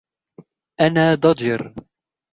أنا ضجر!